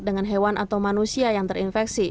dengan hewan atau manusia yang terinfeksi